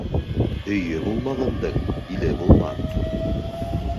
Өйө булмағандың иле булмаҫ.